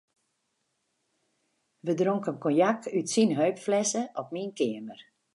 We dronken konjak út syn heupflesse op myn keamer.